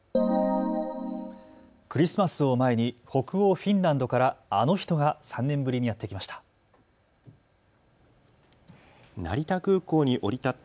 クリスマスを前に北欧フィンランドからあの人が３年ぶりにやって来ました。